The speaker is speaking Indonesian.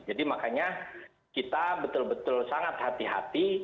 jadi makanya kita betul betul sangat hati hati